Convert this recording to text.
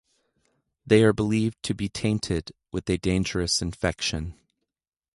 They are believed to be tainted with a dangerous infection.